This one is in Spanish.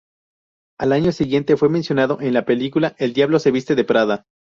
Al año siguiente, fue mencionado en la película "El diablo se viste de Prada".